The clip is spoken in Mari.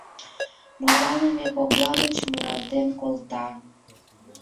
Мутланыме кокла гыч муралтен колта.